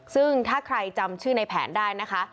ซึ่งถ้าใครจำชื่อในแผนได้นะคะ